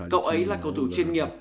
cậu ấy là cầu thủ chuyên nghiệp